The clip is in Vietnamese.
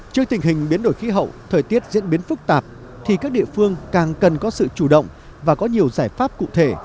trước tình hình biến đổi khí hậu thời tiết diễn biến phức tạp thì các địa phương càng cần có sự chủ động và có nhiều giải pháp cụ thể